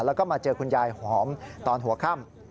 แล้วก็มาเจอคุณยายหอมตอนหัวค่ำ